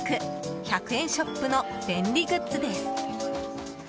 １００円ショップの便利グッズです。